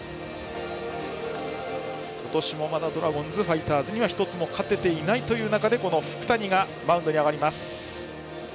今年もまたドラゴンズはファイターズに１つも勝てていない中でこの福谷がマウンドに上がります。